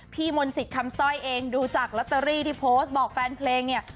พี่มนต์สิทธิ์ทำซ่อยเองดูจากลอตเตอรี่ที่โพสต์บอกแฟนเพลงเนี่ย